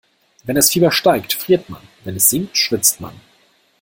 Wenn das Fieber steigt, friert man, wenn es sinkt, schwitzt man.